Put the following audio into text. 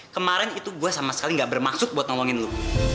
kemarin itu gue sama sekali gak bermaksud buat ngomongin lu